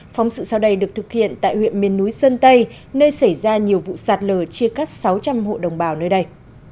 phóng sự sau đây được thực hiện tại huyện miền núi sơn tây nơi xảy ra nhiều vụ sạt lở chia cắt sáu trăm linh hộ đồng bào nơi đây